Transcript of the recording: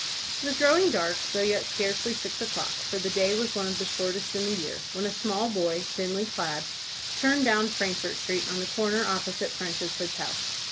It was growing dark, though yet scarcely six o'clock, for the day was one of the shortest in the year, when a small boy, thinly clad, turned down Frankfort Street on the corner opposite French's Hotel.